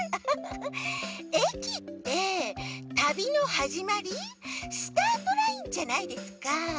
えきってたびのはじまりスタートラインじゃないですか。